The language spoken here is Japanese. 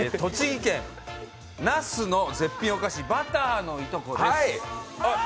栃木県那須の絶品お菓子バターのいとこです。